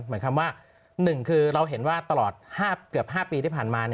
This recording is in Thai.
หมายความว่า๑คือเราเห็นว่าตลอดเกือบ๕ปีที่ผ่านมา